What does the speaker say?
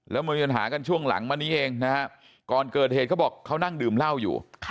แล้วมีปัญหากันช่วงหลังมานี้เองนะฮะก่อนเกิดเหตุเขาบอกเขานั่งดื่มเหล้าอยู่